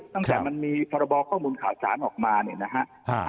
ตั้งแต่มันมีพรบข้อมูลข่าวสารออกมาเนี่ยนะฮะ